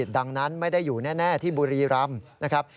ดังนั้นไม่ได้อยู่แน่ที่บุรีรำนะครับ